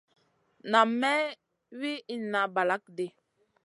Nam may wi inna balakŋ ɗi.